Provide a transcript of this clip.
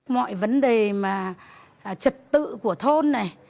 mọi vấn đề mà trật tự của thôn này